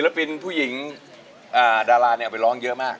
ศิลปินผู้หญิงดาราเอาไปร้องเยอะมาก